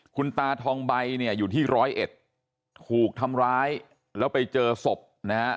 คุณตาทองใบเนี่ยอยู่ที่ร้อยเอ็ดถูกทำร้ายแล้วไปเจอศพนะฮะ